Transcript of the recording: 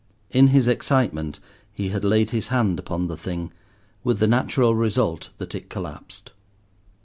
In his excitement he had laid his hand upon the thing, with the natural result that it collapsed.